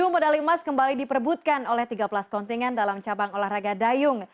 tujuh medali emas kembali diperbutkan oleh tiga belas kontingen dalam cabang olahraga dayung